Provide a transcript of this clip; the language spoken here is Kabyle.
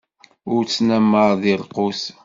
Ur ttnamar di lqut!